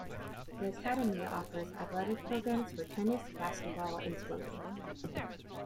The Academy offers athletic programs for tennis, basketball, and swimming.